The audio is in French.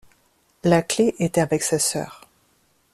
La clé est avec sa sœur.